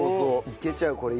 いけちゃうこれ。